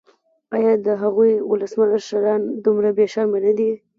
ایا د هغوی ولسمشران دومره بې شرمه نه دي.